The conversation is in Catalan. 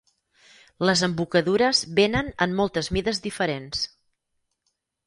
Les embocadures venen en moltes mides diferents.